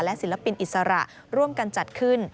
ศิลปินอิสระร่วมกันจัดขึ้น